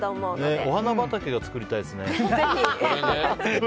お花畑が作りたいですね。